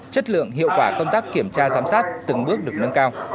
chất lượng hiệu quả công tác kiểm tra giám sát từng bước được nâng cao